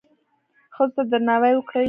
ښځو ته درناوی وکړئ